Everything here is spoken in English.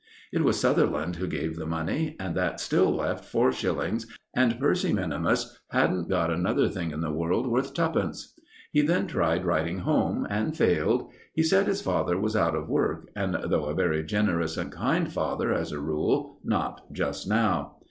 It was Sutherland who gave the money; and that still left four shillings, and Percy minimus hadn't got another thing in the world worth twopence. He then tried writing home, and failed. He said his father was out of work, and, though a very generous and kind father as a rule, not just now.